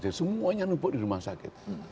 jadi semuanya nubuk di rumah sakit